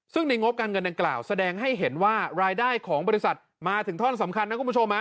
ซึ่งในงบการเงินดังกล่าวแสดงให้เห็นว่ารายได้ของบริษัทมาถึงท่อนสำคัญนะคุณผู้ชม